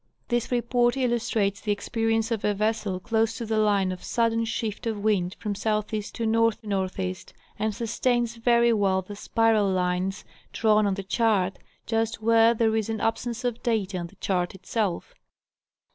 This report illus trates the experience of a vessel close to the line of sudden shift of wind from SE. to N NE., and sustains very well the spiral lines drawn on the chart, just where there is an absence of data on the chart itself.